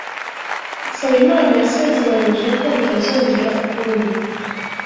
Nsabimana yasezeranije ko bitazongera ukundi.